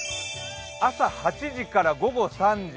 朝８時から午後３時。